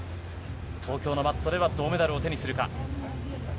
東京のマットでは銅メダルを手にするか。